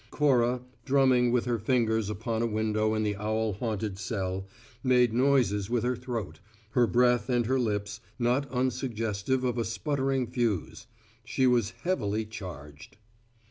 Cora, drumming with her fingers upon a window in the owl haunted cell, made noises with her throat, her breath and her lips not unsuggestive of a sputtering fuse. She was heavily charged.